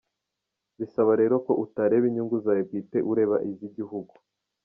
Bisaba rero ko utareba inyungu zawe bwite ureba iz’igihugu.